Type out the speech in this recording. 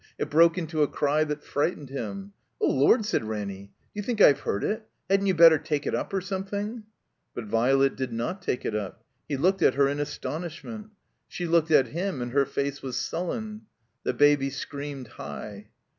It broke into a cry that frightened him. "Oh, Lord!" said Ranny, "do you think I've hurt it? Hadn't you better take it up or something?" But Violet did not take it up. He looked at her in astonishment. She looked at him, and her face was sullen. The Baby screamed high.